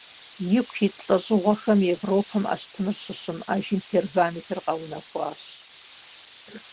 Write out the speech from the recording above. Ику ит лӏэщӏыгъуэхэм Европэм ащтымыр щыщымыӏэжым, пергаментыр къэунэхуащ.